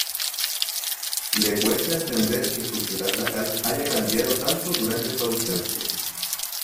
Le cuesta entender que su ciudad natal haya cambiado tanto durante su ausencia.